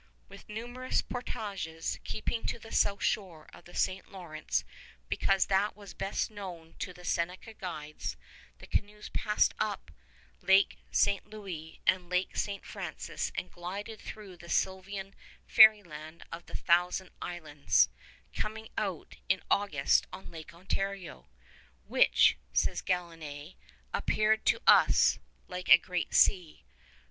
With numerous portages, keeping to the south shore of the St. Lawrence because that was best known to the Seneca guides, the canoes passed up Lake St. Louis and Lake St. Francis and glided through the sylvan fairyland of the Thousand Islands, coming out in August on Lake Ontario, "which," says Galinée, "appeared to us like a great sea."